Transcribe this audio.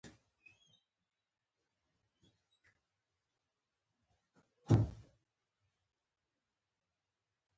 ازادي راډیو د سوله ستر اهميت تشریح کړی.